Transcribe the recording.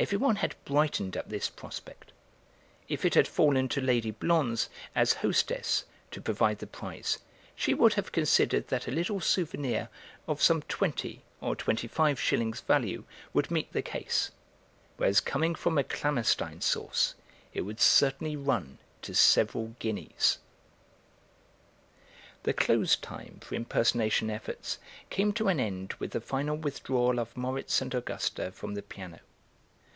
Every one had brightened at this prospect; if it had fallen to Lady Blonze, as hostess, to provide the prize, she would have considered that a little souvenir of some twenty or twenty five shillings' value would meet the case, whereas coming from a Klammerstein source it would certainly run to several guineas. The close time for impersonation efforts came to an end with the final withdrawal of Moritz and Augusta from the piano.